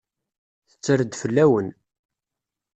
Tetter-d fell-awen.